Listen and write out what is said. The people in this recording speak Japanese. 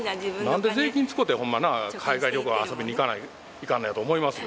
なんで税金使ってね、海外旅行遊びに行かないかんのやと思いますよ。